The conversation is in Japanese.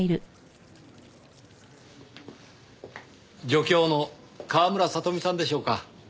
助教の川村里美さんでしょうか？